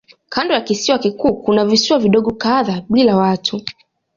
Kando ya kisiwa kikuu kuna visiwa vidogo kadhaa bila watu.